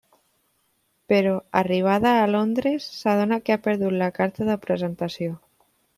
Però arribada a Londres s’adona que ha perdut la carta de presentació.